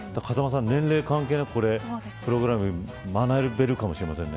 年齢関係なくプログラム学べるかもしれませんね。